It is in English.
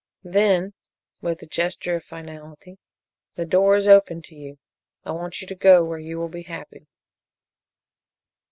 Then," with a gesture of finality, "the door is open to you. I want you to go where you will be happy."